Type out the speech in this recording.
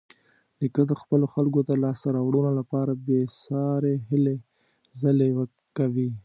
نیکه د خپلو خلکو د لاسته راوړنو لپاره بېسارې هلې ځلې کوي.